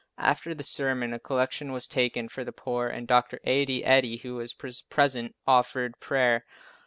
After the sermon, a collection was taken for the poor, and Dr. A. D. Eddy, who was present, offered prayer.